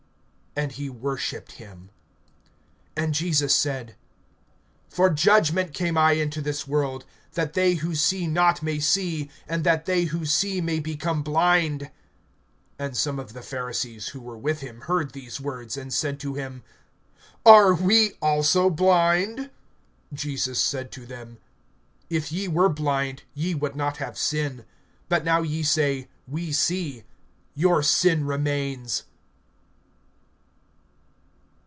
And he worshiped him. (39)And Jesus said: For judgment came I into this world; that they who see not may see, and that they who see may become blind. (40)And some of the Pharisees who were with him heard these words, and said to him: Are we also blind? (41)Jesus said to them: If ye were blind, ye would not have sin. But now ye say: We see. Your sin remains!